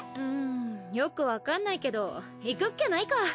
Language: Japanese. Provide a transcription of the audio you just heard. んよくわかんないけど行くっきゃないか。